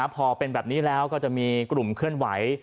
พอเป็นแบบนี้แล้วก็จะมีกลุ่มเคลื่อนไหว